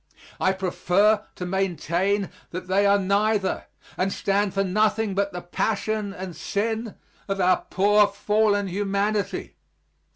I prefer to maintain that they are neither, and stand for nothing but the passion and sin of our poor fallen humanity.